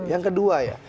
yang kedua ya